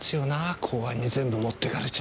公安に全部持ってかれちゃ。